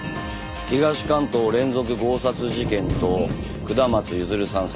東関東連続強殺事件と下松譲さん殺害事件。